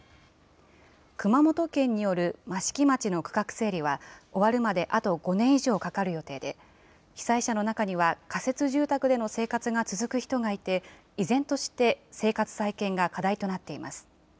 熊本県による益城町の区画整理は、終わるまであと５年以上かかる予定で、被災者の中には、仮設住宅での生活が続く人がいて、依然として生活再建が課題となっています。